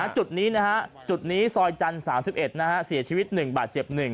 จุดนี้จุดนี้ซอยจันทร์๓๑เสียชีวิต๑บาทเจ็บ๑